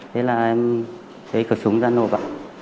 thế là em thấy khẩu sổ đã nộp